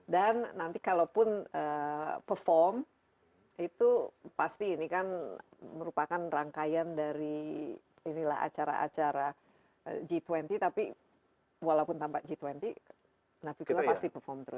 dan nanti kalau pun perform itu pasti ini kan merupakan rangkaian dari acara acara g dua puluh tapi walaupun tanpa g dua puluh nafi pula pasti perform terus